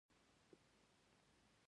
سيب يوه په زړه پوري ميوه ده